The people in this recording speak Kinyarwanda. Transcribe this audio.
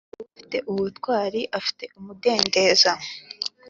ufite ubutwari afite umudendezo.